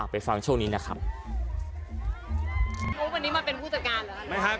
ไปฟังช่วงนี้นะครับ